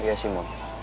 iya sih ma